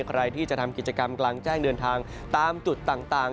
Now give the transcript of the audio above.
ใครที่จะทำกิจกรรมกลางแจ้งเดินทางตามจุดต่าง